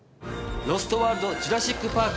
『ロスト・ワールドジュラシック・パーク』